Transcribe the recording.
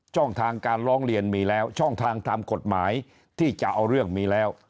ช่องทางการร้องเรียนมีแล้วช่องทางทำกฎหมายที่จะเอาเรื่องมีแล้ว